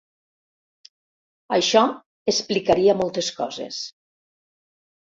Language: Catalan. Això explicaria moltes coses.